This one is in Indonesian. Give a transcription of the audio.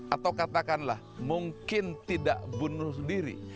atau katakanlah mungkin tidak bunuh diri